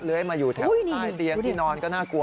มาอยู่แถวใต้เตียงที่นอนก็น่ากลัว